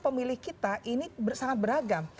pemilih kita ini sangat beragam